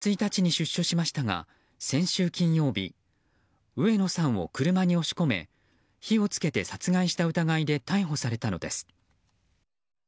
今月１日に出所しましたが先週金曜日上野さんを車に押し込め火を付けて殺害した疑いで逮捕されたのです。